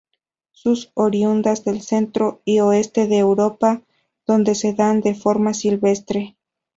Son oriundas del centro y oeste de Europa, donde se dan de forma silvestre.